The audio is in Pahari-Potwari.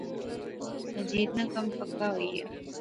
مجیدے ناں کم پکا ہوئی آ